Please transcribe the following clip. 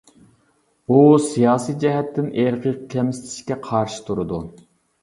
ئۇ سىياسىي جەھەتتىن ئىرقىي كەمسىتىشكە قارشى تۇرىدۇ.